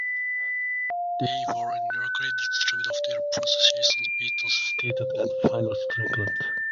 They were then interrogated, stripped of their possessions, beaten, sedated, and finally strangled.